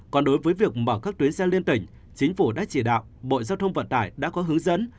còn đối với việc mở các tuyến xe liên tỉnh chính phủ đã chỉ đạo bộ giao thông vận tải đã có hướng dẫn